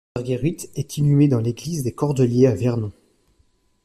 Marguerite est inhumée dans l'église des Cordeliers à Vernon.